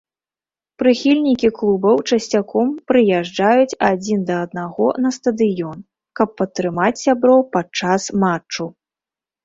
Прыхільнікі клубаў часцяком прыязджаюць адзін да аднаго на стадыён, каб падтрымаць сяброў падчас матчу.